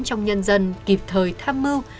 trong nhân dân kịp thời tham mưu